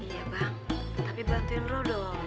iya bang tapi bantuin ro dong